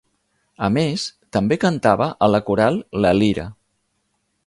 A més, també cantava a la Coral La Lira.